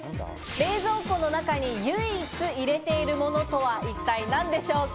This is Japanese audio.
冷蔵庫の中に唯一入れているものとは一体何でしょうか？